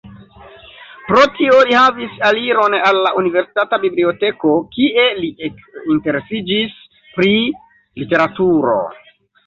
Pro tio li havis aliron al la universitata biblioteko kie li ekinteresiĝis pri literaturo.